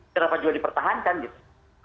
kenapa juga dipertahankan gitu